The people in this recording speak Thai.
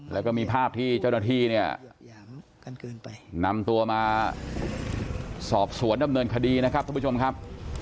แล้วก็มีภาพที่เจ้าหน้าที่เนี่ยนำตัวมาสอบสวนดำเนินคดีนะครับท่านผู้ชมครับ